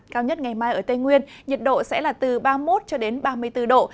cao nhất ngày mai ở tây nguyên nhiệt độ sẽ là từ ba mươi một cho đến ba mươi bốn độ